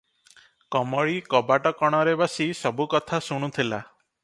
କମଳୀ କବାଟ କଣରେ ବସି ସବୁ କଥା ଶୁଣୁଥିଲା ।